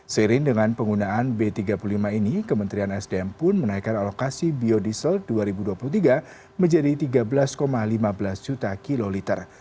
seiring dengan penggunaan b tiga puluh lima ini kementerian sdm pun menaikkan alokasi biodiesel dua ribu dua puluh tiga menjadi tiga belas lima belas juta kiloliter